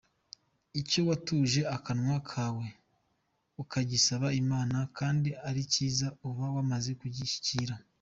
Icyo watuje akanwa kawe ukagisaba Imana kandi ari cyiza uba wamaze kugishyikira.